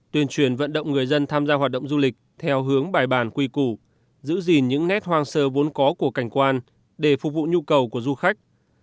tuyên truyền vận động người dân tham gia hoạt động du lịch theo hướng bài bản quy củ giữ gìn những nét hoang sơ vốn có của cảnh quan để phục vụ nhu cầu của du khách